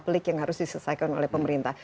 pelik yang harus diselesaikan oleh pemerintah